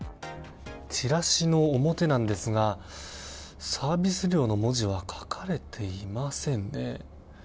チラシの表なんですがサービス料の文字は書かれていませんね。